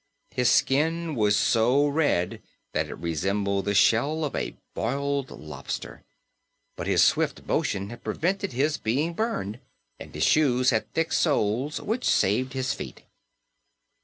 His skin was so red that it resembled the shell of a boiled lobster, but his swift motion had prevented his being burned, and his shoes had thick soles, which saved his feet.